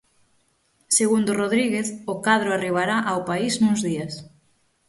Segundo Rodríguez, o cadro arribará ao país nuns días.